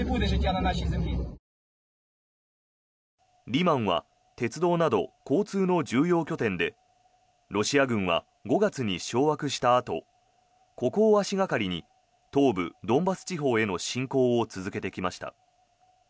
リマンは鉄道など交通の重要拠点でロシア軍は５月に掌握したあとここを足掛かりに東部ドンバス地方への侵攻を続けてきました。